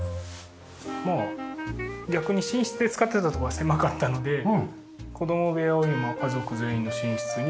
まあ逆に寝室で使ってた所が狭かったので子供部屋を今家族全員の寝室にして。